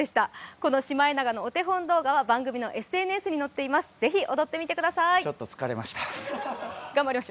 このシマエナガのお手本動画は番組のＳＮＳに載っています。